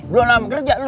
belum lama kerja lu